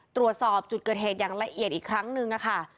ตรวจสอบจุดเกิดเหตุอย่างละเอียดอีกครั้งนึงค่ะ